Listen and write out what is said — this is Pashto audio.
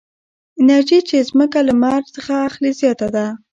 انرژي چې ځمکه له لمر څخه اخلي زیاته ده.